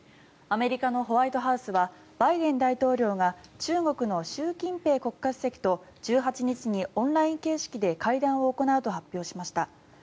アメリカのホワイトハウスはバイデン大統領が中国の習近平国家主席と１８日にオンライン形式で会談を行うと発表しました。